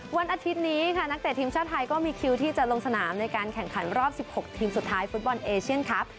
วันอาทิตย์นี้ค่ะนักเตะทีมชาติไทยก็มีคิวที่จะลงสนามในการแข่งขันรอบ๑๖ทีมสุดท้ายฟุตบอลเอเชียนครับ